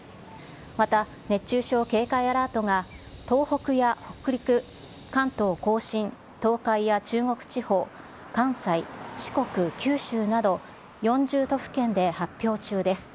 また熱中症警戒アラートが東北や北陸、関東甲信、東海や中国地方、関西、四国、九州など、４０都府県で発表中です。